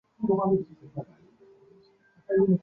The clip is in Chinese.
不同的职位对候选人均有最低年龄的限制。